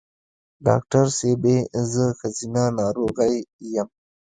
ډاکټر صېبې زه ښځېنه ناروغی یم